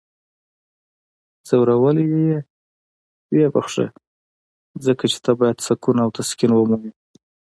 ځورولی یی یې؟ ویې بخښه. ځکه چی ته باید سکون او تسکین ومومې!